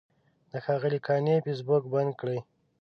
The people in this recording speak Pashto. د ښاغلي قانع فیسبوک بند کړی.